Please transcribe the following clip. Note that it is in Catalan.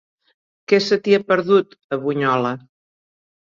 Què se t'hi ha perdut, a Bunyola?